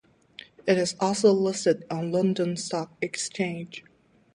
It is also listed on London Stock Exchange.